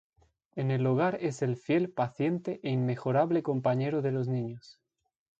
En el hogar es el fiel, paciente e inmejorable compañero de los niños.